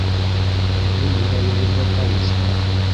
Һеҙҙең йөрәгегеҙҙә тауыш бар